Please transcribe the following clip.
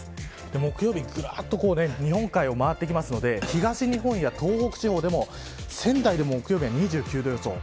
木曜日、日本海を回ってくるので東日本や東北地方でも仙台でも木曜日が２９度の予想。